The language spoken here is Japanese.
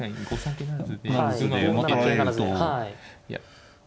いや。